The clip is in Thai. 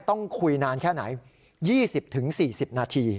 ต้องคุยนานแค่ไหน๒๐๔๐นาที